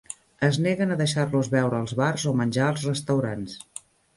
Es neguen a deixar-los beure als bars o menjar als restaurants.